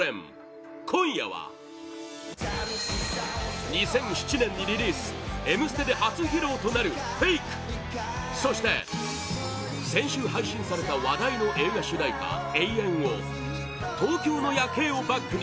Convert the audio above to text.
今夜は２００７年にリリース「Ｍステ」で初披露となる「フェイク」そして先週配信された話題の映画主題歌